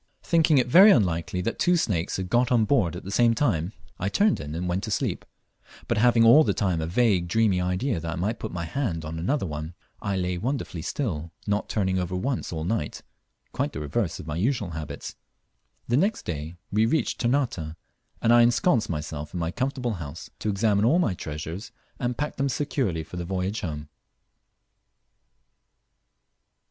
Thinking it very unlikely that two snakes had got on board at the same time, I turned in and went to sleep; but having all the time a vague dreamy idea that I might put my hand on another one, I lay wonderfully still, not turning over once all night, quite the reverse of my usual habits. The next day we reached Ternate, and I ensconced myself in my comfortable house, to examine all my treasures, and pack them securely for the voyage home.